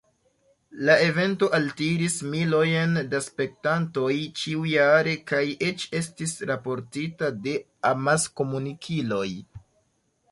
La evento altiris milojn da spektantoj ĉiujare kaj eĉ estis raportita de amaskomunikiloj.